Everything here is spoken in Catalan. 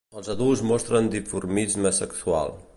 Els adults mostren dimorfisme sexual.